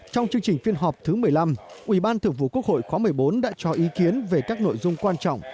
trong chương trình phiên họp thứ một mươi năm ubthqh khóa một mươi bốn đã cho ý kiến về các nội dung quan trọng